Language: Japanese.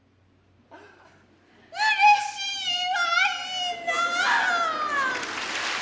うれしいわいなァ。